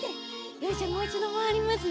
よしじゃあもう１どまわりますよ。